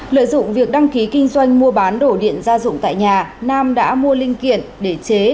lợi dụng việc đăng ký kinh doanh mua bán đổ điện gia dụng tại nhà nam đã mua linh kiện để chế